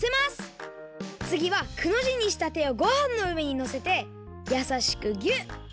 つぎはくの字にした手をごはんのうえにのせてやさしくギュッ。